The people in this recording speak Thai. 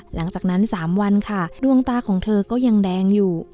หลังจากนั้น๓วันค่ะดวงตาของเธอก็ยังแดงอยู่